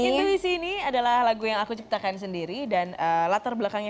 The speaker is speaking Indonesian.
di sini adalah lagu yang aku ciptakan sendiri dan latar belakangnya